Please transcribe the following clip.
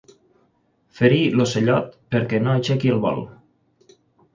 Ferir l'ocellot perquè no aixequi el vol.